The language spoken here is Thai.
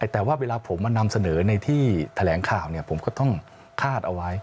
แต่ว่าเวลาผมมานำเสนอในที่แถลงข่าวผมก็ต้องคาดเอาไว้